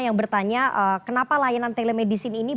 yang bertanya kenapa layanan telemedicine ini